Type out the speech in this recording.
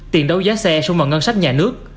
tiền đấu giá xe xung vào ngân sách nhà nước